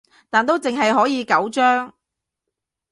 但都淨係可以九張